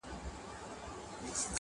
په دومره سپینو کي عجیبه انتخاب کوي.